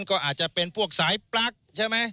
ก็อาจจะเป็นพวกสายปลั๊กใช่ไหม